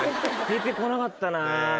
出て来なかったな。